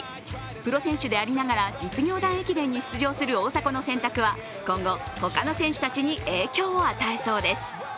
プロ選手でありながら実業団駅伝に出場する大迫の選択は、今後、他の選手たちに影響を与えそうです。